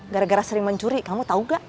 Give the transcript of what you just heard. gara gara sering mencuri kamu tahu gak